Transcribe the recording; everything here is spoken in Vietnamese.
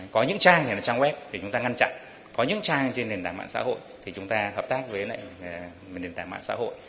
có những trang này là trang web thì chúng ta ngăn chặn có những trang trên nền tảng mạng xã hội thì chúng ta hợp tác với nền tảng mạng xã hội